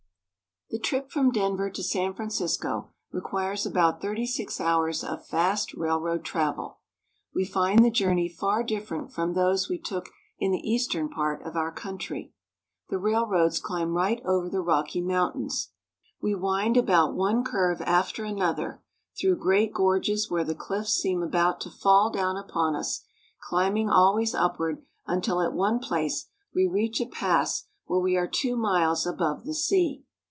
THE trip from Denver to San Francisco requires about thirty six hours of fast railroad travel. We find the journey far different from those we took in the eastern part of our country. The railroads climb right over the Railroad over the Mountains. Rocky Mountains. We wind about one curve after an other, through great gorges where the cliffs seem about to fall down upon us, climbing always upward, until at one place we reach a pass where we are two miles above the sea.